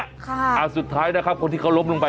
ค่ะอ่าสุดท้ายนะครับคนที่เขาล้มลงไป